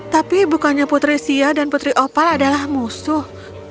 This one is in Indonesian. tapi bukannya putri sia dan putri opal adalah musuh